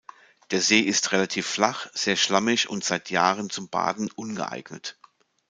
Der See ist relativ flach, sehr schlammig und seit Jahren zum Baden ungeeignet.